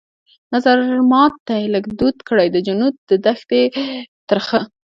نظرمات ته يې لږ دود کړى د جنون د دښتي ترخه